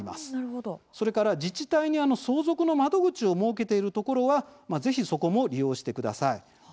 それから自治体に相続の窓口を設けているところはぜひ、そこも利用してください。